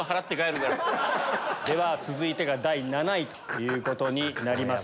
では続いてが第７位ということになります。